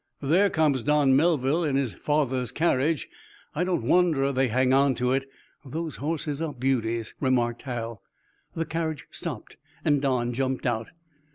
"There comes Don Melville in his father's carriage. I don't wonder they hang on to it. Those horses are beauties," remarked Hal. The carriage stopped and Don jumped out.